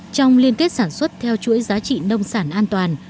trong liên kết sản xuất theo chuỗi giá trị nông sản an toàn